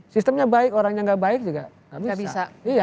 sistemnya baik orangnya nggak baik juga nggak bisa